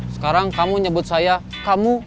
sekarang kamu nyebut saya kamu